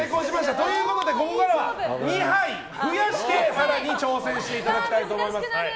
ということでここからは２牌、増やして更に挑戦していただきたいと思います。